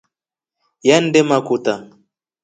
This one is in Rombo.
Yande makuta.